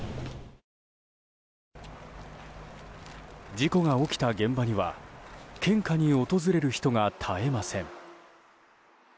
事故が起きた現場には献花に訪れる人が絶えません。